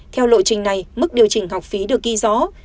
theo lộ trình này mức điều chỉnh học phí được ghi rõ